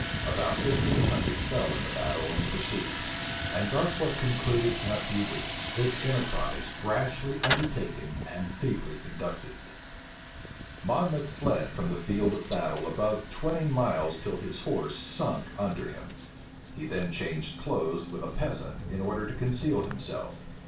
About fifteen hundred fell in the battle and pursuit*[missing period] And thus was concluded in a few weeks this enterprise rashly undertaken and feebly conducted. [Illustration: 1 849 monmouth.jpg DUKE OF MONMOUTH] Monmouth fled from the field of battle above twenty miles till his horse sunk under him. He then changed clothes with a peasant in order to conceal himself.